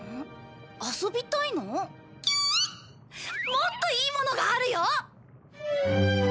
もっといいものがあるよ！